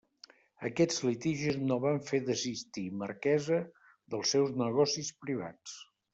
Aquests litigis no van fer desistir Marquesa dels seus negocis privats.